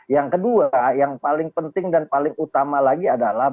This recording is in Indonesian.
yang kedua yang paling penting dan paling utama lagi adalah